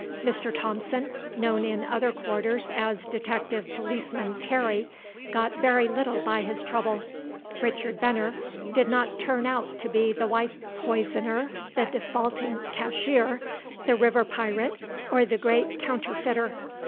Mr. Thompson, known in other quarters as Detective Policeman Terry, got very little by his trouble. Richard Venner did not turn out to be the wife poisoner, the defaulting cashier, the river pirate, or the great counterfeiter.